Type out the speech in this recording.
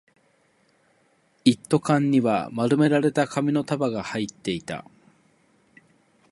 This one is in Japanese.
一斗缶には丸められた紙の束が入っていた